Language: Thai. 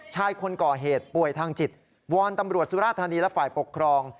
คนก่อเหตุป่วยทางจิตวอนตำรวจสุราธานีและฝ่ายปกครอง